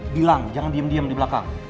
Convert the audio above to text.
bilang jangan diem diam di belakang